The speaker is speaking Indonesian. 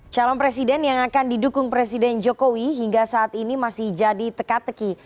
calon presiden yang akan didukung presiden jokowi hingga saat ini masih jadi teka teki